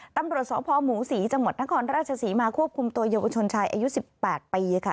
ตำรวจสพหมูศรีจังหวัดนครราชศรีมาควบคุมตัวเยาวชนชายอายุ๑๘ปีค่ะ